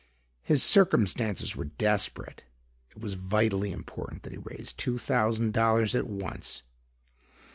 His circumstances were desperate. It was vitally important that he raise two thousand dollars at once."